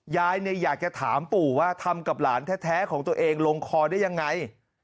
ยายอยากจะถามปู่ว่าทำกับหลานแท้ของตัวเองลงคอได้ยังไง